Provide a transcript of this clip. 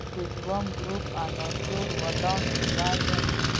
د دویم ګروپ د عنصرونو ولانس دوه دی.